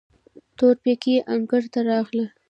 تورپيکۍ انګړ ته راغله.